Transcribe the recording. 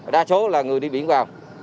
đa số là người đi biển vào